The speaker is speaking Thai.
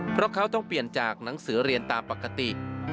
เพราะเขาต้องเปลี่ยนจากหนังสือเรียนตามปกติ